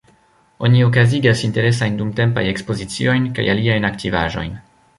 Oni okazigas interesajn dumtempajn ekspoziciojn kaj aliajn aktivaĵojn.